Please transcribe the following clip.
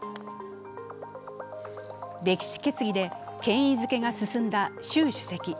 歴史決議で権威づけが進んだ習主席。